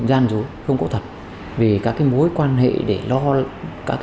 sau đó nhung đã cắt đứt liên lạc